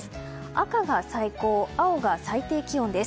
赤が最高、青が最低気温です。